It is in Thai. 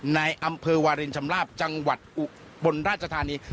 ในอำเภอวารินชำลาบจังหวัดอุบลราชธานี